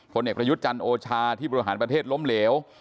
เอกประยุทธ์จันทร์โอชาที่บริหารประเทศล้มเหลว